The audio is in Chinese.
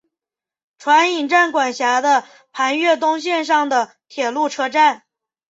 船引站管辖的磐越东线上的铁路车站。